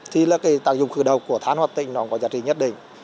thì là tạng dùng khử độc của than hoạt tích nó có giá trị nhất định